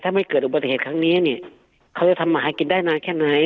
ถ้าไม่เกิดอุบัติเหตุครั้งนี้เนี่ยเขาจะทำมาหากินได้นานแค่ไหน